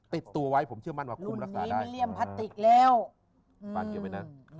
ติดตัวไว้ผมเชื่อมั่นว่าคุ้มรักษาได้